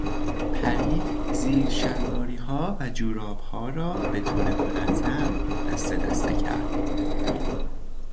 پری زیر شلواریها و جورابها را به طور منظم دسته دسته کرد.